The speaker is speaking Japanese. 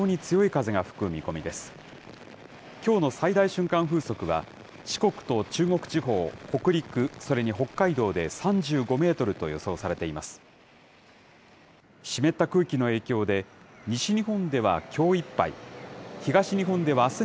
風速は、四国と中国地方、北陸、それに北海道で３５メートルと予想されています。